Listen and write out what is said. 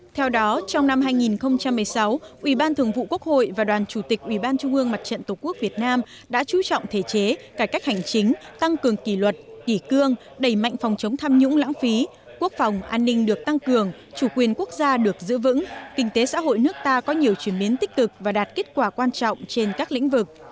theo đó trong năm hai nghìn một mươi sáu ủy ban thường vụ quốc hội và đoàn chủ tịch ủy ban trung ương mặt trận tổ quốc việt nam đã chú trọng thể chế cải cách hành chính tăng cường kỷ luật kỷ cương đầy mạnh phòng chống tham nhũng lãng phí quốc phòng an ninh được tăng cường chủ quyền quốc gia được giữ vững kinh tế xã hội nước ta có nhiều chuyển biến tích cực và đạt kết quả quan trọng trên các lĩnh vực